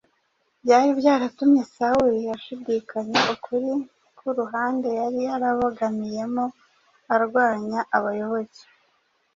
byari byaratumye Sawuli ashidikanya ukuri k’uruhande yari yarabogamiyemo arwanya abayoboke